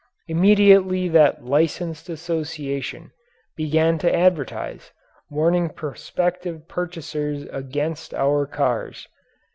Immediately that Licensed Association began to advertise, warning prospective purchasers against our cars.